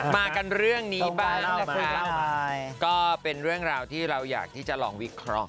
มากันเรื่องนี้บ้างนะคะก็เป็นเรื่องราวที่เราอยากที่จะลองวิเคราะห์